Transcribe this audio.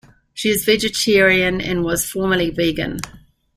She is vegetarian and was formerly vegan.